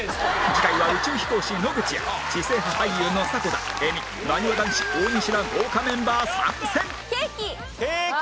次回は宇宙飛行士野口や知性派俳優の迫田映美なにわ男子大西ら豪華メンバー参戦ケーキ。